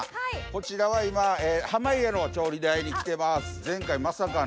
こちらは今濱家の調理台に来てます。